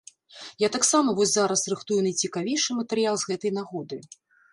Я таксама вось зараз рыхтую найцікавейшы матэрыял з гэтай нагоды.